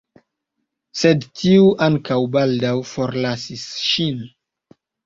Sed tiu ankaŭ baldaŭ forlasis ŝin.